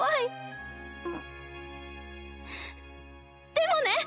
でもね！